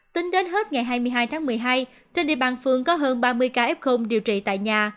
tính đến hết ngày hai mươi hai tháng một mươi hai trên địa bàn phường có hơn ba mươi ca f điều trị tại nhà